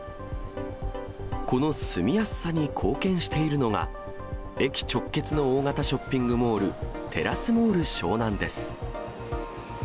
この住みやすさに貢献しているのが、駅直結の大型ショッピングモール、テラスモール湘南です。